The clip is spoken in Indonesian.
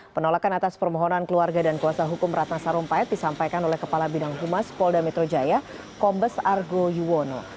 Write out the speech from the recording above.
penolakan atas permohonan keluarga dan kuasa hukum ratna sarumpait disampaikan oleh kepala bidang humas polda metro jaya kombes argo yuwono